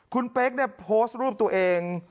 คุณเป๊กเนี่ยโพสต์รูปตัวเอง